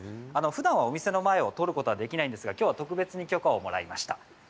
ふだんは、お店の前を通ることはできないんですがきょうは特別に許可をもらいました。